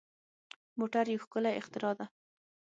موټر یو ښکلی اختراع ده.